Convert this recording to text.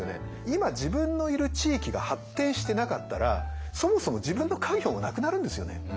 今自分のいる地域が発展してなかったらそもそも自分の家業もなくなるんですよね。